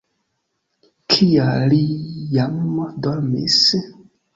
Kial li jam dormis?